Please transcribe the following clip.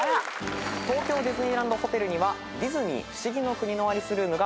東京ディズニーランドホテルにはディズニーふしぎの国のアリスルームがあります。